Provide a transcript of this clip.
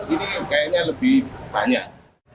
ini kayaknya lebih banyak